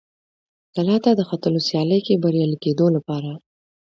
کلا ته د ختلو سیالۍ کې بریالي کېدو لپاره.